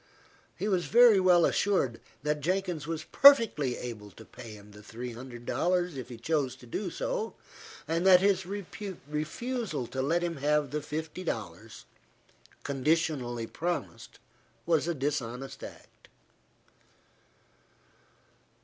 He was very well assured that Jenkins was perfectly able to pay him the three hundred dollars, if he chose to do so, and that his refusal to let him have the fifty dollars, conditionally promised, was a dishonest act.